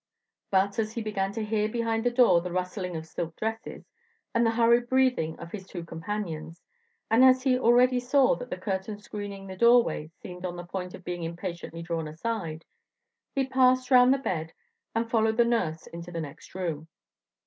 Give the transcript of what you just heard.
But, as he began to hear behind the door the rustling of silk dresses and the hurried breathing of his two companions, and as he already saw that the curtain screening the doorway seemed on the point of being impatiently drawn aside, he passed round the bed and followed the nurse into the next room.